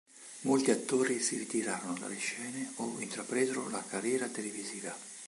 Molti attori si ritirarono dalle scene o intrapresero la carriera televisiva.